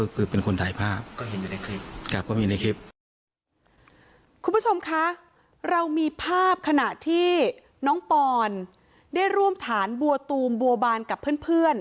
คุณผู้ชมคะเรามีภาพขณะที่น้องปอนได้ร่วมฐานบัวตูมบัวบานกับเพื่อน